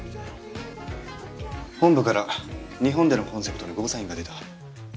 本部から日本でのコンセプトにゴーサインが出た。